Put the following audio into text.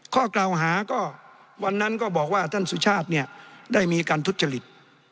ข้อกล่าวหาก็วันนั้นก็บอกว่าท่านสุชาติเนี่ยได้มีการทุจริต